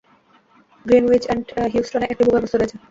Greenwich and হিউস্টনে একটি ভূগর্ভস্থ রয়েছে।